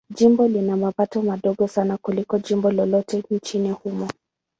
Jimbo lina mapato madogo sana kuliko jimbo lolote nchini humo.